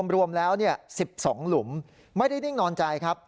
รวมแล้ว๑๒หลุมไม่ได้นิ่งนอนใจครับ